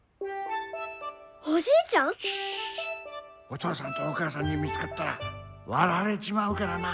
お父さんとお母さんに見つかったら割られちまうからな。